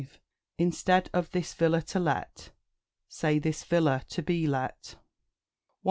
Instead of "This villa to let," say "This villa to be let." 106.